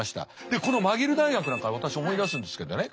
このマギル大学なんか私思い出すんですけどね